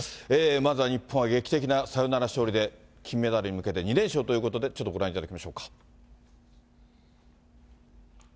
まずは日本は劇的なサヨナラ勝利で金メダルへ向けて２連勝ということで、ちょっとご覧いただきましょうか。